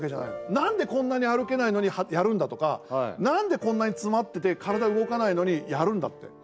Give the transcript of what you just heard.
なんで、こんなに歩けないのにやるんだとかなんで、こんなに詰まってて体、動かないのにやるんだって。